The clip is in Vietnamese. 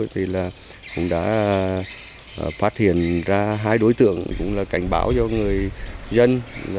thì là cũng đã phát hiện ra hai đối tượng cũng là cảnh báo cho người dân